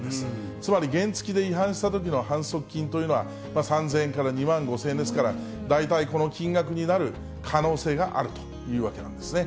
つまり原付きで違反したときの反則金というのは、３０００円から２万５０００円ですから、大体この金額になる可能性があるというわけなんですね。